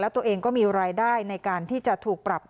ตัวเองก็มีรายได้ในการที่จะถูกปรับ